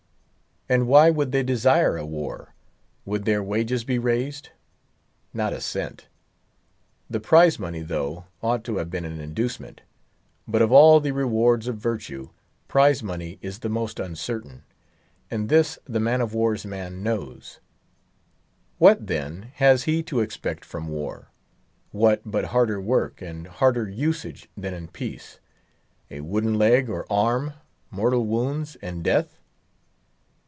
And why should they desire a war? Would their wages be raised? Not a cent. The prize money, though, ought to have been an inducement. But of all the "rewards of virtue," prize money is the most uncertain; and this the man of war's man knows. What, then, has he to expect from war? What but harder work, and harder usage than in peace; a wooden leg or arm; mortal wounds, and death?